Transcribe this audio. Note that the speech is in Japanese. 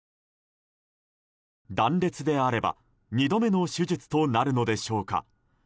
断裂であれば２度目の手術となるのでしょうか。